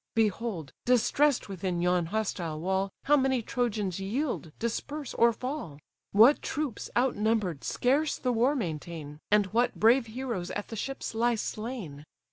Behold! distress'd within yon hostile wall, How many Trojans yield, disperse, or fall! What troops, out number'd, scarce the war maintain! And what brave heroes at the ships lie slain!